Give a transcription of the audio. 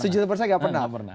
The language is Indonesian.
sejuta persen nggak pernah